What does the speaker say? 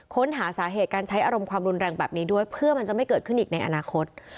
ค้นหาสาเหตุการใช้อารมณ์ความรุนแรงแบบนี้ด้วยเพื่อมันจะไม่เกิดขึ้นอีกในอนาคต